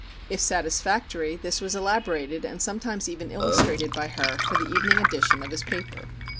If satisfactory this was elaborated and sometimes even illustrated by her for the evening edition of his paper.